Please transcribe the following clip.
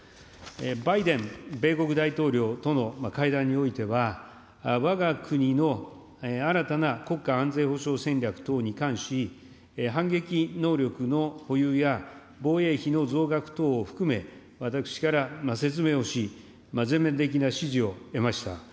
バイデン米国大統領との会談においては、わが国の新たな国家安全保障戦略等に関し、反撃能力の保有や防衛費の増額等を含め、私から説明をし、全面的な支持を得ました。